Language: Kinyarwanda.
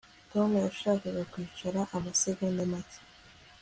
Tom yashakaga kwicara amasegonda make